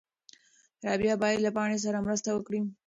رابعه باید له پاڼې سره مرسته وکړي.